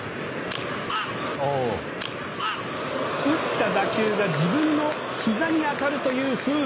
打った打球が自分のひざに当たるという不運。